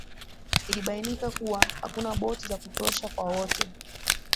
ilibainika kuwa hakuna boti za kutosha kwa wote